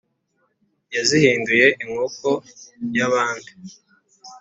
Yazihinduye inkoko ya bandi